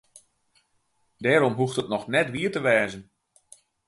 Dêrom hoecht it noch net wier te wêzen.